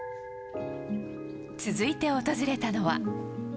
続いて訪れたのは。